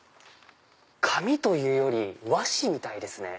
紙というより和紙みたいですね。